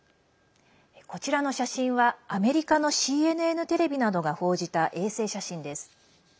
こちらの写真はアメリカのＣＮＮテレビなどが報じた衛星写真です。